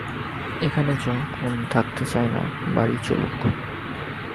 এখানে যখন থাকতে চায় না, বাড়িই চলুক।